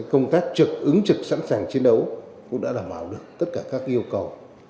công tác trực ứng trực sẵn sàng chiến đấu cũng đã đảm bảo được tất cả các yêu cầu